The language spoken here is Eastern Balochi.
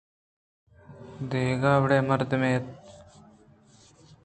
دگہ وڑیں مردمے اِنت